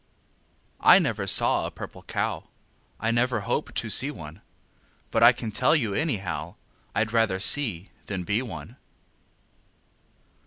_ I never Saw a Purple Cow; I never Hope to See One; But I can Tell you, Anyhow, I'd rather See than Be One.